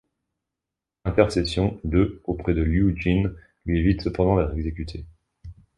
L'intercession de auprès de Liu Jin lui évite cependant d'être exécuté.